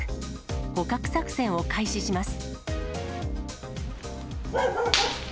捕獲作戦を開始します。